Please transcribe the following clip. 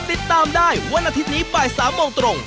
ติดตามได้วันอาทิตย์นี้บ่าย๓โมงตรง